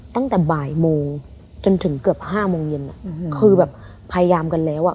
ตั้งแต่บ่ายโมงจนถึงเกือบห้าโมงเย็นคือแบบพยายามกันแล้วอ่ะ